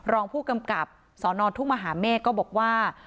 รองผู้กำกับสนทุ่งมหาเมฆก็บอกว่า